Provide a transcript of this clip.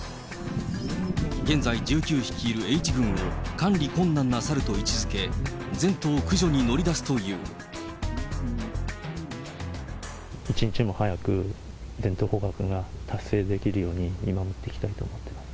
現在１９匹いるＨ群を管理困難なサルと位置づけ、全頭駆除に一日も早く、全頭捕獲が達成できるように見守っていきたいと思います。